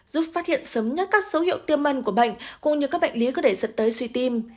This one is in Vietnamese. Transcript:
giúp phát hiện sớm nhất các dấu hiệu tiêu mân của bệnh cũng như các bệnh lý có thể dẫn tới suy tìm